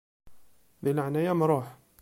Di leɛnaya-m ṛuḥ!